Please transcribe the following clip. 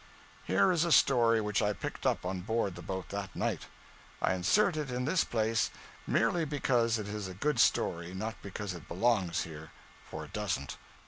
Here is a story which I picked up on board the boat that night. I insert it in this place merely because it is a good story, not because it belongs here for it doesn't.